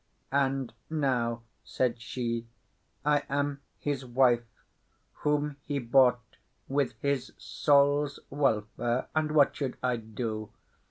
"And now," said she, "I am his wife, whom he bought with his soul's welfare. And what should I do?